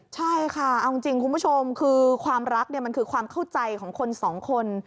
ใช่ค่ะเอาจริงคุณผู้ชมคือความรักเนี่ยมันคือความเข้าใจของคนสองคน